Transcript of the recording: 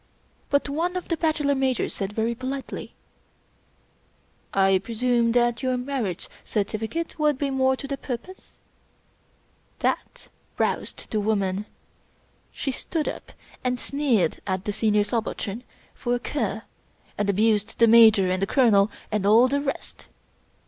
But one of the Bachelor Majors said very politely :" I presume that your marriage certificate would be more to the purpose?" That roused the woman. She stood up and sneered at the Senior Subaltern for a cur, and abused the Major and the Colonel and all the rest.